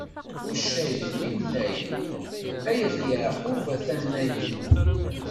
Uccayen, imnayen, ay at Yaɛqub a-ten-ayen!